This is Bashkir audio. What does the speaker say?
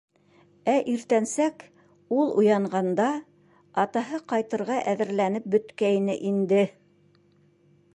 Ә иртәнсәк, ул уянғанда, атаһы ҡайтырға әҙерләнеп бөткәйне инде.